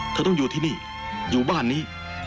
เธอต้องอยู่ที่นี่อยู่บ้านนี้